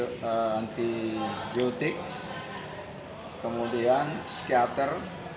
vitamin antibiotik kemudian psikiater